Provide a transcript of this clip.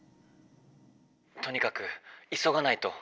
「とにかくいそがないと。